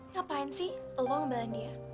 ngapain sih lo ngobelin dia